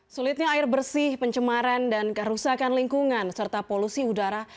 sulitnya air bersih pencemaran dan kerusakan lingkungan serta polusi udara